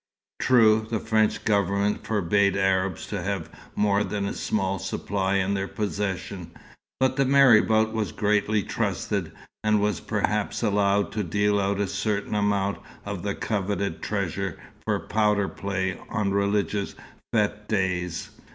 True, the French Government forbade Arabs to have more than a small supply in their possession; but the marabout was greatly trusted, and was perhaps allowed to deal out a certain amount of the coveted treasure for "powder play" on religious fête days.